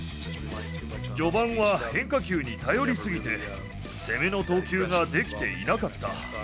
序盤は変化球に頼り過ぎて、攻めの投球ができていなかった。